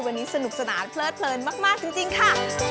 วันนี้สนุกสนานเพลิดเพลินมากจริงค่ะ